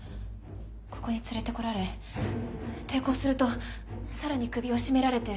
ここに連れて来られ抵抗するとさらに首を絞められて。